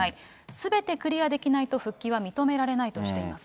すべてクリアできないと復帰は認められないとしています。